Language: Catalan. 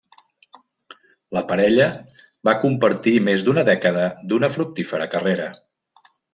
La parella va compartir més d'una dècada d'una fructífera carrera.